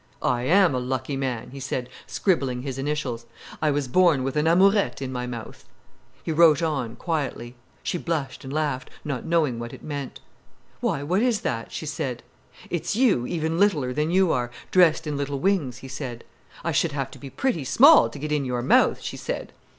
"I am a lucky man!" he said, scribbling his initials. "I was born with an amourette in my mouth." He wrote on, quietly. She blushed and laughed, not knowing what it meant. "Why, what is that?" she said. "It's you, even littler than you are, dressed in little wings," he said. "I should have to be pretty small to get in your mouth," she said.